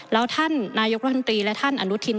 แล้วท่านนายกรัฐมนตรีและท่านอนุทิน